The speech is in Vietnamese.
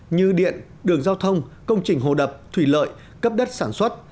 như điện đường giao thông công trình hồ đập thủy lợi cấp đất sản xuất